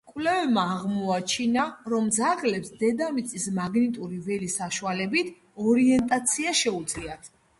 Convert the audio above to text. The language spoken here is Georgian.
კვლევემა აღმოაჩინა, რომ ძაღლებს, დედამიწის მაგნიტური ველის საშუალებით, ორიენტაცია შეუძლიათ.